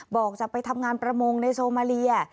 บอกจะไปทำงานประมงในโซมาเลีย